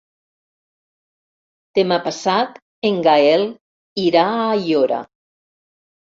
Demà passat en Gaël irà a Aiora.